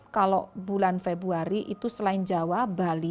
kalau bulan februari itu selain jawa bali